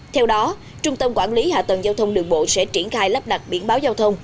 theo đó trung tâm quản lý hạ tầng giao thông đường bộ sẽ triển khai lắp đặt biển báo giao thông